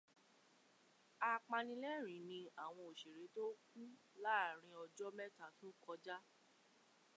Apanilẹ́rìí ní àwọn òṣèré tó kú láàrin ọjọ́ méje tó kọjá